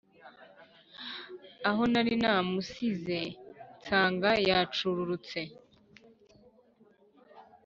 aho nari namusize nsanga yacururutse